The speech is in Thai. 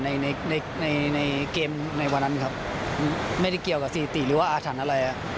ในในเกมในวันนั้นครับไม่ได้เกี่ยวกับสถิติหรือว่าอาถรรพ์อะไร